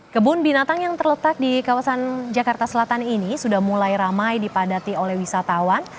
kebun binatang yang terletak di kawasan jakarta selatan ini sudah mulai ramai dipadati oleh wisatawan